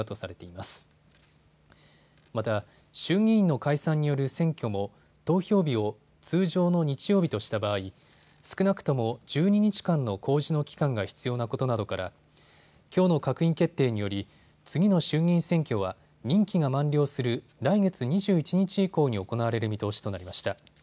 また衆議院の解散による選挙も投票日を通常の日曜日とした場合、少なくとも１２日間の公示の期間が必要なことなどからきょうの閣議決定により次の衆議院選挙は任期が満了する来月２１日以降に行われる見通しとなりました。